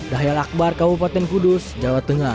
dahil akbar kabupaten kudus jawa tengah